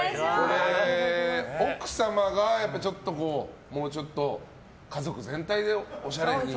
奥様がもうちょっと家族全体でおしゃれに。